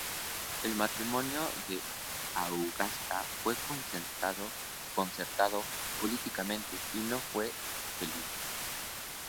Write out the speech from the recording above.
El matrimonio de Augusta fue concertado políticamente y no fue feliz.